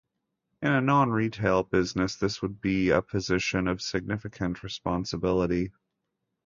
In a non-retail business, this would be a position of significant responsibility.